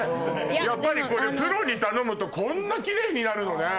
やっぱりプロに頼むとこんなキレイになるのね。